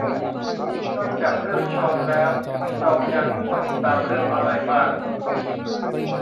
นอกจากเรื่องฌอนแล้วเรายังต้องตามเรื่องอะไรบ้าง